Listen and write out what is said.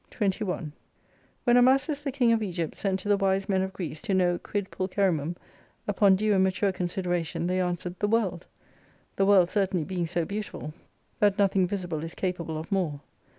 21 When Amasis the King of Egypt sent to the wise men of Greece, to know, Quid Pulcherrimuml upon due and mature consideration they answered, The World. The world certainly being so beautiful that 92 nothing visible is capable of more.